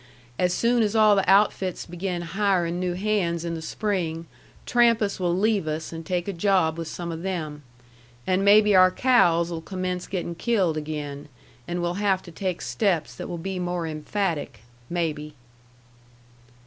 As soon as all the outfits begin hirin' new hands in the spring, Trampas will leave us and take a job with some of them. And maybe our cows'll commence gettin' killed again, and we'll have to take steps that will be more emphatic maybe."